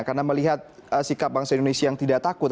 karena melihat sikap bangsa indonesia yang tidak takut